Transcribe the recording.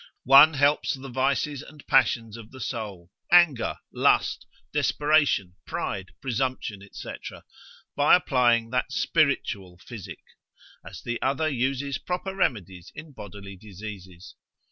One helps the vices and passions of the soul, anger, lust, desperation, pride, presumption, &c. by applying that spiritual physic; as the other uses proper remedies in bodily diseases.